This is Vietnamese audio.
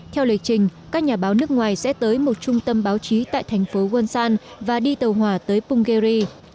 theo lệ trình các nhà báo nước ngoài sẽ tới một trung tâm báo chí tại thành phố wonsan và đi tàu hỏa tới punggye ri